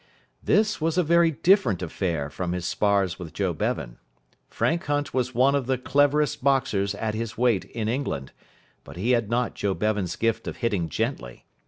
This was a very different affair from his spars with Joe Bevan. Frank Hunt was one of the cleverest boxers at his weight in England, but he had not Joe Bevan's gift of hitting gently.